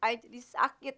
i jadi sakit